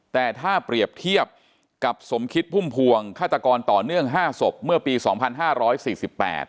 แต่ถ้าเปรียบเทียบกับสมคิดพุ่มพวงฆาตกรต่อเนื่องห้าศพเมื่อปีสองพันห้าร้อยสี่สิบแปด